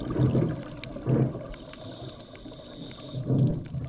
هغوی د سړک پر غاړه د خوږ دښته ننداره وکړه.